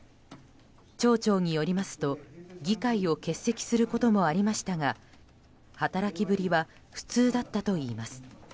町長によりますと、議会を欠席することもありましたが働きぶりは普通だったといいます。